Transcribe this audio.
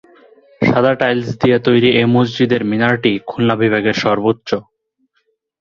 সাদা টাইলস দিয়ে তৈরি এই মসজিদের মিনারটি খুলনা বিভাগের সর্বোচ্চ।